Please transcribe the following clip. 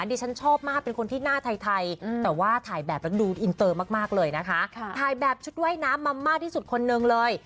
ดิฉันชอบมากเป็นคนที่หน้าไทยแต่ว่าถ่ายแบบแล้วดูอินเตอร์มากเลยนะคะถ่ายแบบชุดว่ายน้ำมามากที่สุดคนนึงเลย